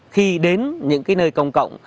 khi đến những nơi công cộng